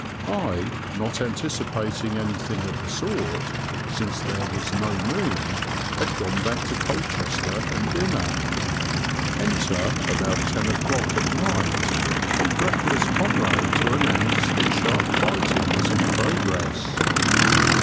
I, not anticipating anything of the sort, since there was no moon, had gone back to Colchester and dinner. Enter, about ten o'clock at night, a breathless comrade to announce that sharp fighting was in progress.